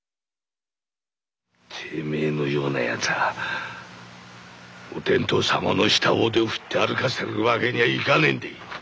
てめえのようなやつはお天道様の下大手を振って歩かせるわけにはいかねえんでぃ。